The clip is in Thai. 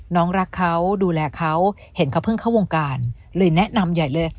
น้องรักเขาดูแลเขาเห็นเขาเพิ่งเข้าวงการเลยแนะนำใหญ่เลย